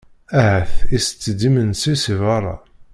Ahat itett-d imensi si berra.